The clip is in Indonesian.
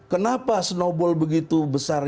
kenapa snowball begitu besar